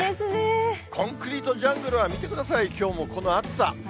コンクリートジャングルは、見てください、きょうもこの暑さ。